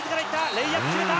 レイアップ決めた。